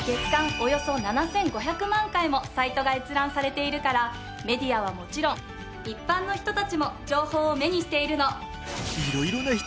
およそ７５００万回もサイトが閲覧されているからメディアはもちろん一般の人たちも情報を目にしているの。